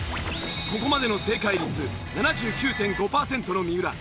ここまでの正解率７９．５パーセントの三浦。